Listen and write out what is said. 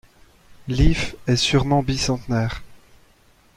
L'if est sûrement bicentenaire.